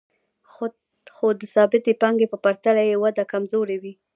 خو د ثابتې پانګې په پرتله یې وده کمزورې وي